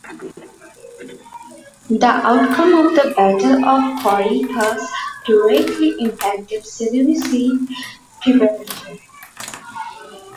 The outcome of the battle of Corycus directly impacted Seleucid preparations.